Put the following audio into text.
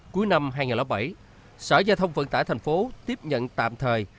cuối năm hai nghìn bảy sở giao thông vận tải thành phố tiếp nhận tạm thời